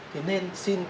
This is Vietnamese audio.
thì nên xin cái